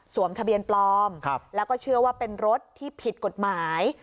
ทะเบียนปลอมแล้วก็เชื่อว่าเป็นรถที่ผิดกฎหมาย